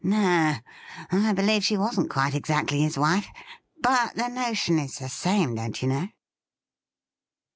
No, I believe she wasn't quite exactly his wife ; but the notion is the same, don't you know.'